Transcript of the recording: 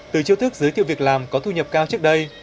từ chiêu thức giới thiệu việc làm có thu nhập cao trước đây